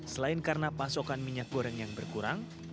selain karena pasokan minyak goreng yang berkurang